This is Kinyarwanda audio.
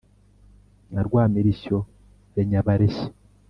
rwa mirishyo ya nyabareshya